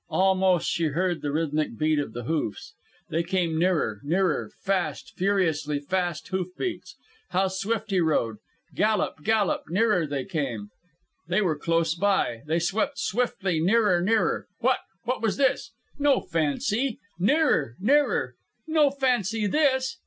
Almost she heard the rhythmic beat of the hoofs. They came nearer, nearer. Fast, furiously fast hoof beats. How swift he rode. Gallop, gallop nearer, on they came. They were close by. They swept swiftly nearer, nearer. What what was this? No fancy. Nearer, nearer. No fancy this.